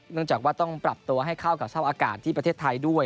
จากว่าต้องปรับตัวให้เข้ากับสภาพอากาศที่ประเทศไทยด้วย